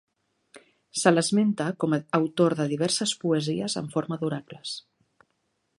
Se l'esmenta com a autor de diverses poesies en forma d'oracles.